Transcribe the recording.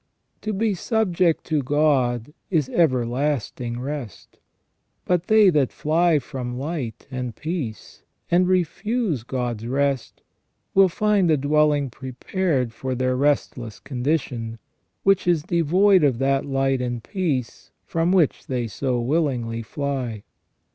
To be subject to God is everlasting rest ; but they that fly from light and peace, and refuse God's rest, will find a dwelling prepared for their restless condition, which is devoid of that light and peace from which they so willingly fly.